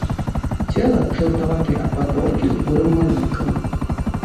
Цела жаўтаватай афарбоўкі з бурым малюнкам.